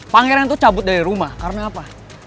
pangeran itu cabut dari rumah karena apa